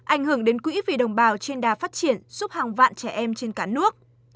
ảnh hưởng đến quỹ vì đồng bào trên đà phát triển giúp hàng vạn trẻ em trên cả nước